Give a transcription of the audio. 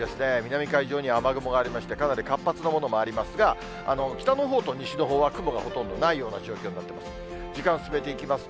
南海上には雨雲がありまして、かなり活発なものもありますが、北のほうと西のほうは雲がほとんどないような状況になっています。